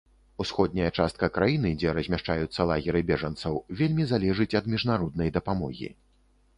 Усходняя частка краіны, дзе размяшчаюцца лагеры бежанцаў, вельмі залежыць ад міжнароднай дапамогі.